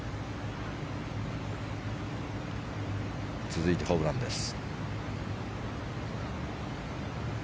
続いてホブランです。